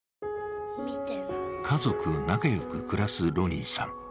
家族仲よく暮らすロニーさん。